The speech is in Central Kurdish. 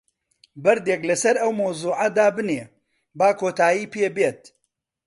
بەردێک لەسەر ئەو مەوزوعە دابنێ، با کۆتایی پێ بێت.